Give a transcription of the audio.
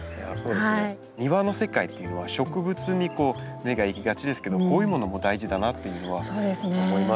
庭の世界っていうのは植物に目が行きがちですけどこういうものも大事だなっていうのは思いますね。